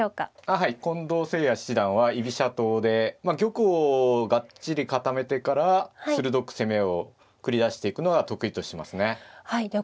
はい近藤誠也七段は居飛車党で玉をがっちり固めてから鋭く攻めを繰り出していくのが得意としますね。